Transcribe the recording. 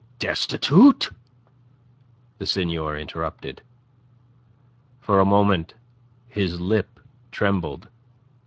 "Destitute?" The Seigneur interrupted. For a moment his lip trembled.